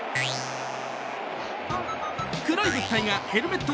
黒い物体がヘルメット